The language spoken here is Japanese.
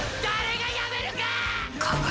誰がやめるか！